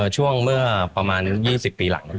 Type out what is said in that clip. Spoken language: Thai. ช่วงเมื่อประมาณ๒๐ปีหลัง